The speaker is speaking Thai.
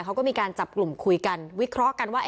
เขาก็มีการจับกลุ่มคุยกันวิเคราะห์กันว่า